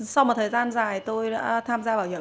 sau một thời gian dài tôi đã tham gia bảo hiểm